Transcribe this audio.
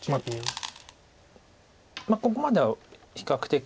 ここまでは比較的。